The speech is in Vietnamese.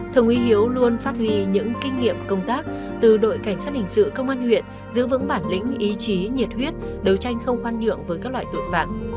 thượng úy hiếu luôn phát huy những kinh nghiệm công tác từ đội cảnh sát hình sự công an huyện giữ vững bản lĩnh ý chí nhiệt huyết đấu tranh không khoan nhượng với các loại tội phạm